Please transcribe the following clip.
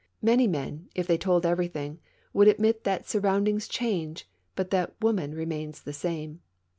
Many men, if they told everything, would admit that surround ings change, but that woman remains the same.